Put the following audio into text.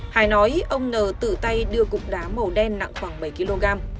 hải nói ông n tự tay đưa cục đá màu đen nặng khoảng bảy kg